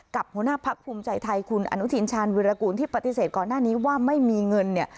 หัวหน้าพักภูมิใจไทยคุณอนุทินชาญวิรากูลที่ปฏิเสธก่อนหน้านี้ว่าไม่มีเงินเนี่ย